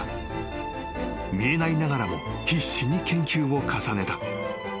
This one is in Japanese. ［見えないながらも必死に研究を重ねた］